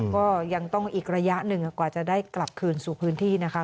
ก็ยังต้องอีกระยะหนึ่งกว่าจะได้กลับคืนสู่พื้นที่นะคะ